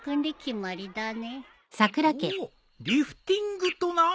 ほおリフティングとな。